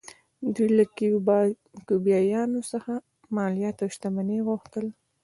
دوی له کیوبایانو څخه مالیات او شتمنۍ غوښتل